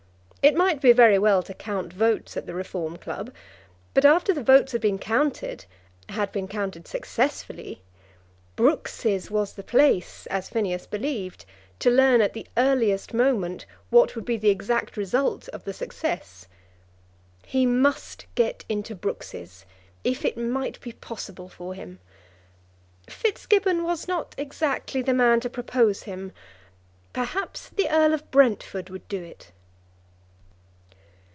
It might be very well to count votes at the Reform Club; but after the votes had been counted, had been counted successfully, Brooks's was the place, as Phineas believed, to learn at the earliest moment what would be the exact result of the success. He must get into Brooks's, if it might be possible for him. Fitzgibbon was not exactly the man to propose him. Perhaps the Earl of Brentford would do it.